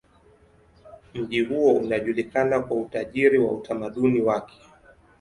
Mji huo unajulikana kwa utajiri wa utamaduni wake.